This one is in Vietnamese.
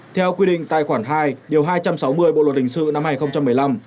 theo quy định tài khoản hai điều hai trăm sáu mươi bộ luật hình sự năm hai nghìn một mươi năm